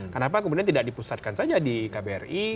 kenapa kemudian tidak dipusatkan saja di kbri